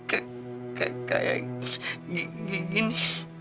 sekarang aku kayak gini